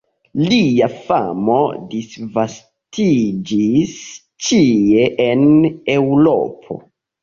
Lia famo disvastiĝis ĉie en Eŭropo.